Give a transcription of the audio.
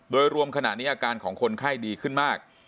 โดยรวมขณะนี้อาการของคนไข้ดีขึ้นมาก